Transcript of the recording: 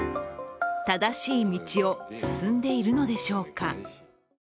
正しい道を進んでいるのでしょうか。